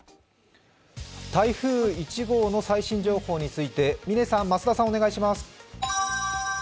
台風１号の最新情報について嶺さん、増田さん、お願いします。